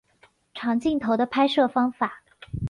长镜头的拍摄方法。